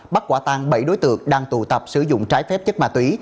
bắt quả tang bảy đối tượng đang tụ tập sử dụng trái phép chất ma túy